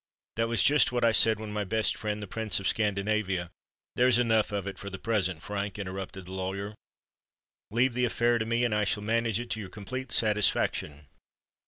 That was just what I said when my best friend, the Prince of Scandinavia——" "There's enough of it for the present, Frank," interrupted the lawyer. "Leave the affair to me—and I shall manage it to your complete satisfaction.